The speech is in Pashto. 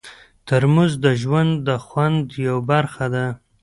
ترموز د ژوند د خوند یوه برخه ده.